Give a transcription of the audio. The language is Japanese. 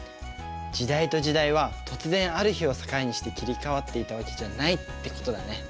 時代と時代は突然ある日を境にして切り替わっていたわけじゃないってことだね。